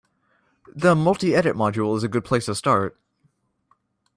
The multi-edit module is a good place to start.